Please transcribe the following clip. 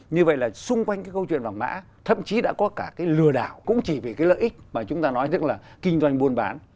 như vậy là xung quanh cái câu chuyện vàng mã thậm chí đã có cả cái lừa đảo cũng chỉ vì cái lợi ích mà chúng ta nói rằng là kinh doanh buôn bán